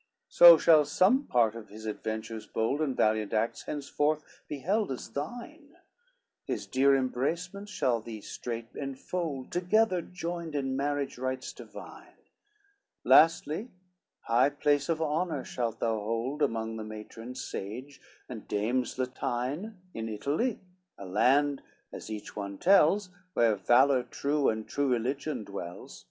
LXXVII "So shall some part of his adventures bold And valiant acts henceforth be held as thine; His dear embracements shall thee straight enfold, Together joined in marriage rites divine: Lastly high place of honor shalt thou hold Among the matrons sage and dames Latine, In Italy, a land, as each one tells, Where valor true, and true religion dwells."